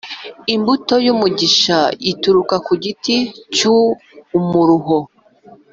imbuto yumugisha ituruka kugiti cyu umuruho